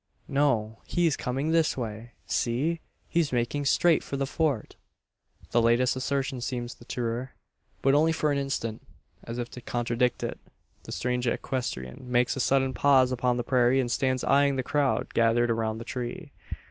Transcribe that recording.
"No, he's coming this way! See! He's making straight for the Fort!" The latest assertion seems the truer; but only for an instant. As if to contradict it, the strange equestrian makes a sudden pause upon the prairie, and stands eyeing the crowd gathered around the tree.